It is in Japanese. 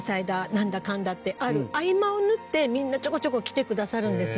なんだかんだってある合間を縫ってみんなちょこちょこ来てくださるんです。